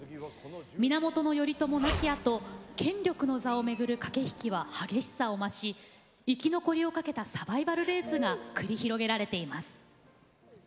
源頼朝亡きあと、権力の座を巡る駆け引きは激しさを増し生き残りをかけたサバイバルレースが繰り広げられています。